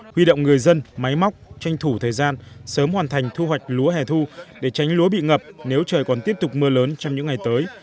huy động người dân máy móc tranh thủ thời gian sớm hoàn thành thu hoạch lúa hẻ thu để tránh lúa bị ngập nếu trời còn tiếp tục mưa lớn trong những ngày tới